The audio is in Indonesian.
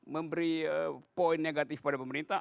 memberi poin negatif pada pemerintah